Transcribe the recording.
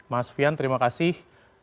mas fian terima kasih